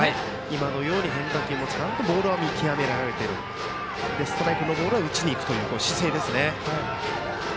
今のように変化球ボールも見極められているストライクのボールは打ちにいくという姿勢ですね。